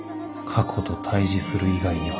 過去と対峙する以外には